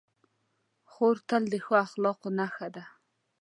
خور تل د ښو اخلاقو نښه ده.